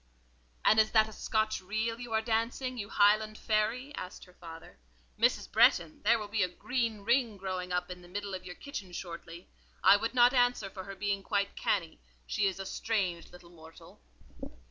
"And is that a Scotch reel you are dancing, you Highland fairy?" asked her father. "Mrs. Bretton, there will be a green ring growing up in the middle of your kitchen shortly. I would not answer for her being quite cannie: she is a strange little mortal."